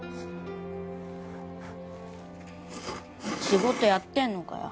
仕事やってんのかよ？